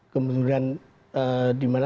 kemunduran di mana